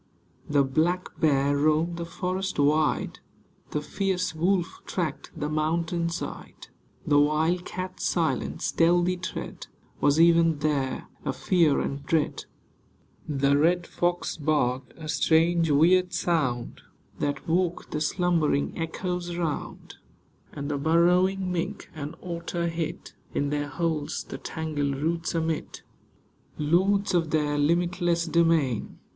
The black bear roamed the forest wide ; The fierce wolf tracked the mountain side ; The wild cat's silent, stealthy tread Was, even there, a fear and dread ; The red fox barked — a strange, Aveird sound, That woke the slumbering echoes round ; And the burrowing mink and otter hid In their holes the tangled roots amid. Lords of their limitless domain.